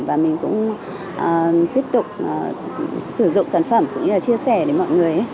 và mình cũng tiếp tục sử dụng sản phẩm cũng như là chia sẻ đến mọi người